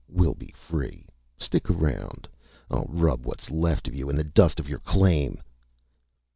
We'll be free. Stick around. I'll rub what's left of you in the dust of your claim!"